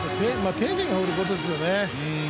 丁寧に放ることですよね。